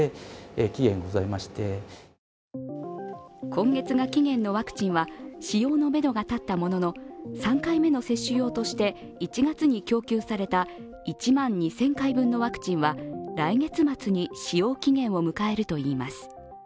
今月が期限のワクチンは使用のめどが立ったものの３回目の接種用として１月に供給された１万２０００回分のワクチンは来月末に使用期限を迎えるといいます。